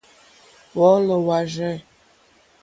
Wɔ́ɔ́lɔ̀ wâ rzɛ̂.